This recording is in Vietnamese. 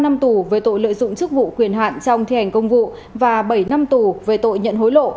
năm năm tù về tội lợi dụng chức vụ quyền hạn trong thi hành công vụ và bảy năm tù về tội nhận hối lộ